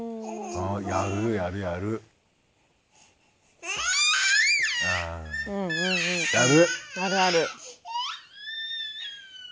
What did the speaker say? あるある。